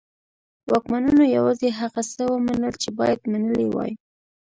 واکمنانو یوازې هغه څه ومنل چې باید منلي وای.